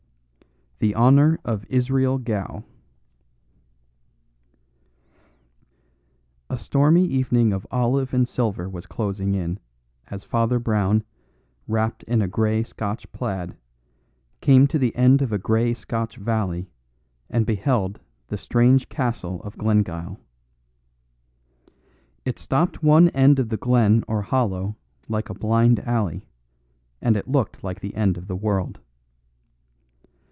The Honour of Israel Gow A stormy evening of olive and silver was closing in, as Father Brown, wrapped in a grey Scotch plaid, came to the end of a grey Scotch valley and beheld the strange castle of Glengyle. It stopped one end of the glen or hollow like a blind alley; and it looked like the end of the world.